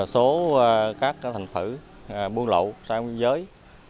số các thành phủ buôn lậu sang biên giới